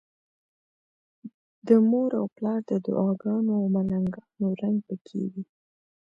د مور او پلار د دعاګانو او ملنګانو رنګ پکې وي.